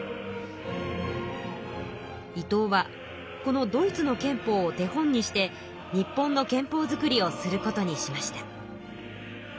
伊藤はこのドイツの憲法を手本にして日本の憲法作りをすることにしました。